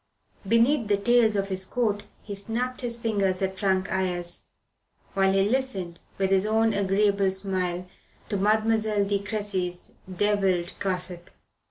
Beneath the tails of his coat he snapped his fingers at Frank Ayres, while he listened, with his own agreeable smile, to Mademoiselle de Cressy's devilled gossip.